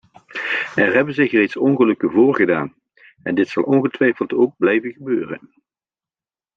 Er hebben zich reeds ongelukken voorgedaan en dit zal ongetwijfeld ook blijven gebeuren.